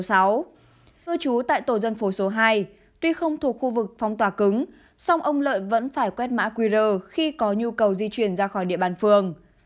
cư trú tại tổ dân phố số hai tuy không thuộc khu vực phong tỏa cứng song ông lợi vẫn phải quét mã qr khi có nhu cầu di chuyển ra khỏi địa bàn phường